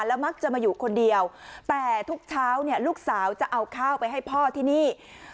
แล้วมักจะมาอยู่คนเดียวแต่ทุกเช้าเนี่ยลูกสาวจะเอาข้าวไปให้พ่อที่นี่